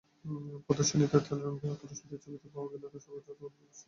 প্রদর্শনীতে তেলরঙে আঁকা রশিদের ছবিতে পাওয়া গেল তাঁর স্বভাবজাত গল্পের বিন্যাস।